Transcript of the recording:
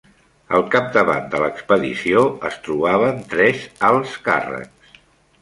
Al capdavant de l'expedició es trobaven tres alts càrrecs.